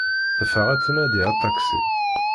Teffeɣ ad d-tnadi aṭaksi.